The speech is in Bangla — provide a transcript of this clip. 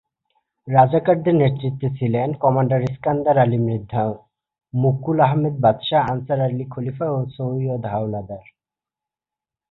রাজাকারদের নেতৃত্বে ছিলেন কমান্ডার ইস্কান্দার আলী মৃধা, মুকুল আহমেদ বাদশা, আনসার আলী খলিফা এবং সৈয়দ হাওলাদার।